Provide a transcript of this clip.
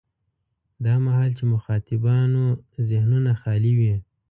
دا مهال چې مخاطبانو ذهنونه خالي وي.